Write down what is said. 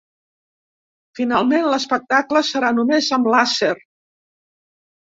Finalment l’espectacle serà només amb làser.